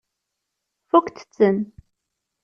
Fukkent-ten?